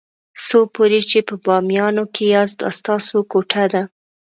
څو پورې چې په بامیانو کې یاست دا ستاسو کوټه ده.